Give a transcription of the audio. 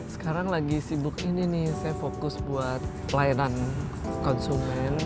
sekarang lagi sibuk ini nih saya fokus buat pelayanan konsumen